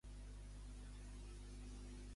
A què es vol dedicar Artur, per això?